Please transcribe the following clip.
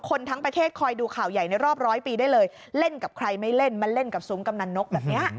คนทั้งประเทศคอยดูข่าวใหญ่ในรอบร้อยปีได้เลยเล่นกับใครไม่เล่นมาเล่นกับซุ้มกำนันนกแบบนี้